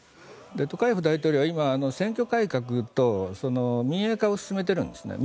トカエフ大統領は今選挙改革と民営化を進めているわけですね。